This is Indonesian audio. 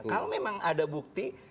kalau memang ada bukti